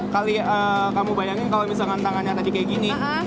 kali kamu bayangin kalau misalkan tangannya tadi kayak gini